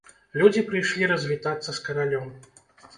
Людзі прыйшлі развітацца з каралём.